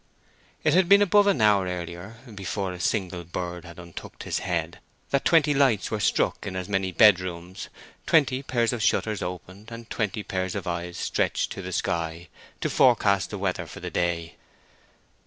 It had been above an hour earlier, before a single bird had untucked his head, that twenty lights were struck in as many bedrooms, twenty pairs of shutters opened, and twenty pairs of eyes stretched to the sky to forecast the weather for the day.